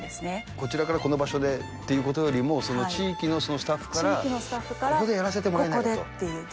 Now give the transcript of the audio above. こちらからこの場所でということよりも、地域のスタッフからここでやらせてもらえないかと。